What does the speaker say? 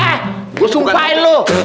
eh gue sumpahin lo